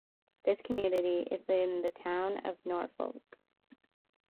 This community is in the Town of Norfolk.